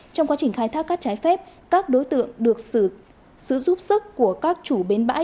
trong quá trình khai thác cát trái phép các đối tượng được sự giúp sức của các chủ bến bãi